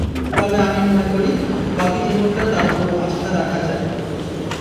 তবে আমি মনে করি, বাকি জীবনটা তাঁর ওপর আস্থা রাখা যায়।